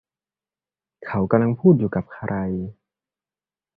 เขากำลังพูดอยู่กับใคร